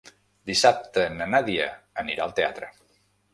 Dissabte na Nàdia anirà al teatre.